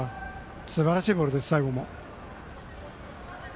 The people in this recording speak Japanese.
すばらしいボールです。